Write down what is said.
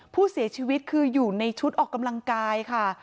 ผู้เสียชีวิตคืออยู่ในชุดออกกำลังกายค่ะ